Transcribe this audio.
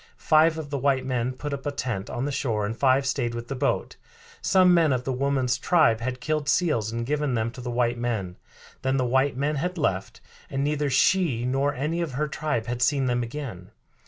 Five of the white men put up a tent on the shore and five stayed with the boat. Some men of the woman's tribe had killed seals and given them to the white men; then the white men had left, and neither she nor any of her tribe had seen them again.